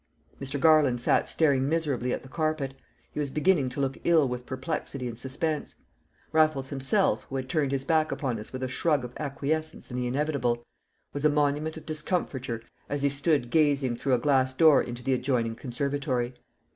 Mr. Garland sat staring miserably at the carpet; he was beginning to look ill with perplexity and suspense. Raffles himself, who had turned his back upon us with a shrug of acquiescence in the inevitable, was a monument of discomfiture as he stood gazing through a glass door into the adjoining conservatory.